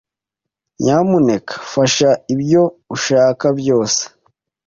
Nyamuneka fasha ibyo ushaka byose.